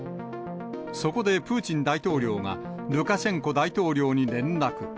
そこでプーチン大統領が、ルカシェンコ大統領に連絡。